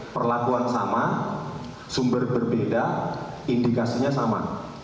perlakuan sama sumber berbeda indikasinya sama